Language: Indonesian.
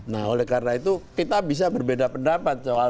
nah oleh karena itu kita bisa berbeda pendapat soal